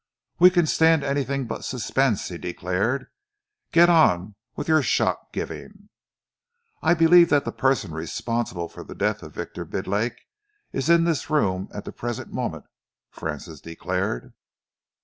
"We can stand anything but suspense," he declared. "Get on with your shock giving." "I believe that the person responsible for the death of Victor Bidlake is in this room at the present moment," Francis declared.